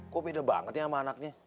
kok beda banget ya sama anaknya